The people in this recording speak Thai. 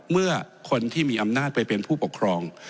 เมื่อคนที่มีอำนาจไปเป็นผู้ปกครอง